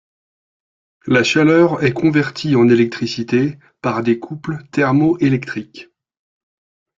La chaleur est convertie en électricité par des couples thermoélectriques.